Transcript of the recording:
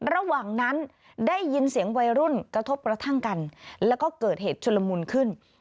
ระหว่างนั้นได้ยินเสียงวัยรุ่นกระทบกระทั่งกันแล้วก็เกิดเหตุชุลมุนขึ้น